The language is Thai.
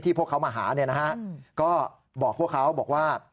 พวกเขามาหาเนี่ยนะฮะก็บอกพวกเขาบอกว่า